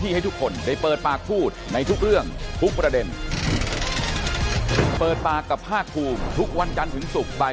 โอ้โหครึ่งเลยนะใช่ค่ะ